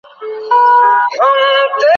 তাহলে আমাকে শেষ করতে দাও।